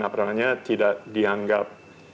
apa namanya tidak dianggap